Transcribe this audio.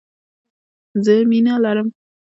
زه مينه لرم